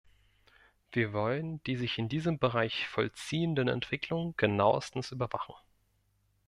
Wir wollen die sich in diesem Bereich vollziehenden Entwicklungen genauestens überwachen.